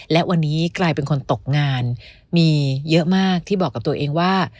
และวันนี้กลายเป็นคนตกงานมีเยอะมากที่บอกกับตัวเองว่า